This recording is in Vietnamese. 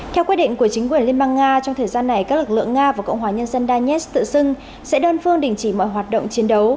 theo quyết định của chính quyền liên bang nga trong thời gian này các lực lượng nga và cộng hòa nhân dân danetsk tự xưng sẽ đơn phương đình chỉ mọi hoạt động chiến đấu